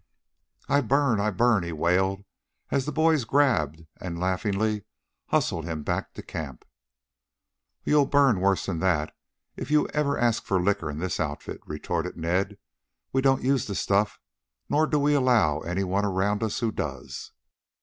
"I burn! I burn!" he wailed as the boys grabbed and laughingly hustled him back to camp. "You'll burn worse than that if you ever ask for liquor in this outfit," retorted Ned. "We don't use the stuff, nor do we allow anyone around us who does."